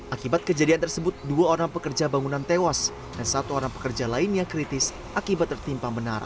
akibat kejadian tersebut dua orang pekerja bangunan tewas dan satu orang pekerja lainnya kritis akibat tertimpa menara